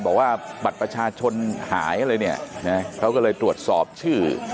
บอกว่าบัตรประชาชนหายอะไรเนี่ยนะเขาก็เลยตรวจสอบชื่อ